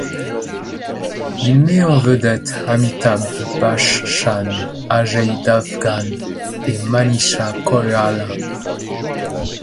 Il met en vedette Amitabh Bachchan, Ajay Devgan et Manisha Koirala.